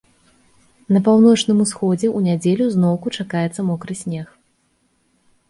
На паўночным усходзе ў нядзелю зноўку чакаецца мокры снег.